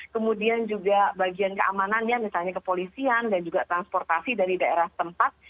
kemudian juga bagian keamanannya misalnya kepolisian dan juga transportasi dari daerah tempat